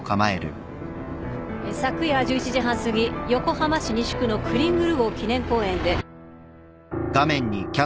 昨夜１１時半すぎ横浜市西区のクリングル号記念公園で。